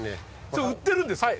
それ売ってるんですか？